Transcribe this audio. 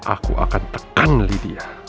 aku akan tekan lydia